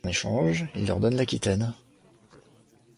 En échange il leur donne l'Aquitaine.